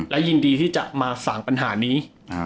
และยินดีที่จะมาสั่งปัญหานี้